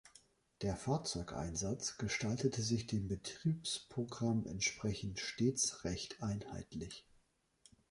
Der Fahrzeugeinsatz gestaltete sich dem Betriebsprogramm entsprechend stets recht einheitlich.